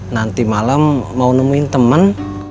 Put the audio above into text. nanti malam mau nemuin teman